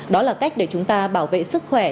đó là cách để chúng ta bảo vệ sức khỏe